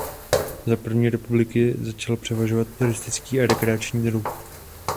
Za první republiky začal převažovat turistický a rekreační ruch.